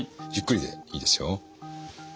ゆっくりでいいですよ。